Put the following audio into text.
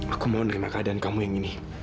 aku mau menerima keadaan kamu yang ini